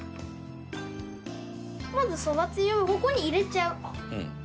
まずそばつゆをここに入れちゃう。